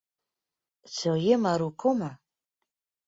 It sil jin mar oerkomme.